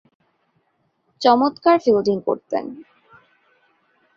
চমৎকার ফিল্ডিং করতেন।